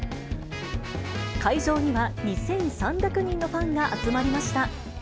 会場には２３００人のファンが集まりました。